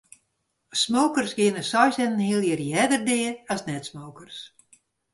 Smokers geane seis en in heal jier earder dea as net-smokers.